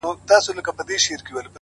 خو لا نن هم دی رواج د اوسنیو؛